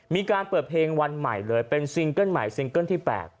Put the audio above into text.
มีการเปิดเพลงวันใหม่เลยเป็นซิงเกิ้ลใหม่ซิงเกิ้ลที่๘